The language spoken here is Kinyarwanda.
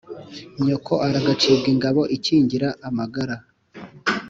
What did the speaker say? nyoko aragacibwa ingabo iki ngira amagara